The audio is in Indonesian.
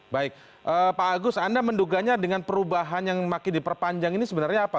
baik pak agus anda menduganya dengan perubahan yang makin diperpanjang ini sebenarnya apa